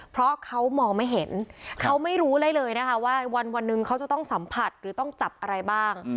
เพราะเขามองไม่เห็นเขาไม่รู้ได้เลยนะคะว่าวันหนึ่งเขาจะต้องสัมผัสหรือต้องจับอะไรบ้าง